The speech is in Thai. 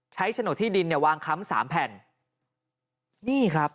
ใช้โฉหนกที่ดินเนี่ยวางค้ำสามแผ่น